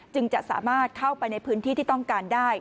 จะสามารถเข้าไปในพื้นที่ที่ต้องการได้